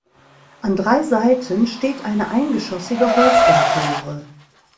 An drei Seiten steht eine eingeschossige Holzempore.